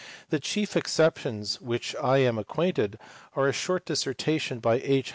The chief exceptions with which I am acquainted are a short disser tation by H.